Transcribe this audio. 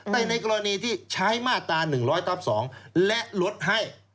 แต่ในกรณีที่ใช้มาตรา๑๐๐ทับ๒และลดให้